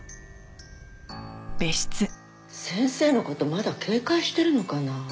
先生の事まだ警戒してるのかな？